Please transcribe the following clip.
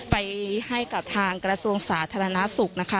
ไปให้กับทางกระทรวงสาธารณสุขนะคะ